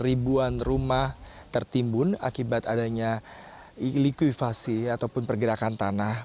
ribuan rumah tertimbun akibat adanya likuifasi ataupun pergerakan tanah